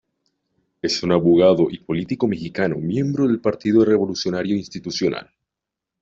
Es un abogado y político mexicano miembro del Partido Revolucionario Institucional.